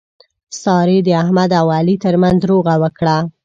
سارې د احمد او علي ترمنځ روغه وکړه.